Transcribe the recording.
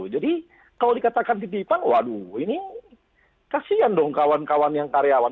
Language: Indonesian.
jadi kalau dikatakan titipan waduh ini kasihan dong kawan kawan yang karyawan